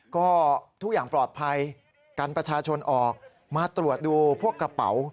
ก็ทุกอย่างปลอดภัยกันประชาชนออกมาตรวจดูพวกกระเป๋า